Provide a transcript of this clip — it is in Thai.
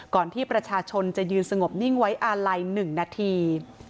ที่ประชาชนจะยืนสงบนิ่งไว้อาลัย๑นาที